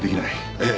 ええ。